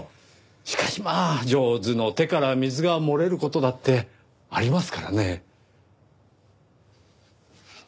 しかしまあ上手の手から水が漏れる事だってありますからねぇ。